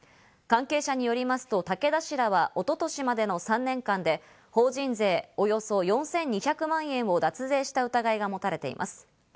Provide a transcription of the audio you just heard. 関係者によりますと竹田氏らは一昨年までの３年間で法人税およそ４２００万円を脱税した疑いがもたれています。